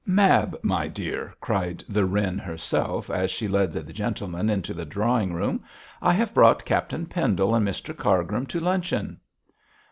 'Mab, my dear!' cried the wren herself, as she led the gentlemen into the drawing room, 'I have brought Captain Pendle and Mr Cargrim to luncheon.'